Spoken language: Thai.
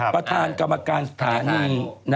ประธานกรรมการสถานี